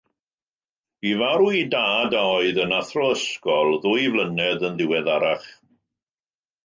Bu farw ei dad, a oedd yn athro ysgol, ddwy flynedd yn ddiweddarach.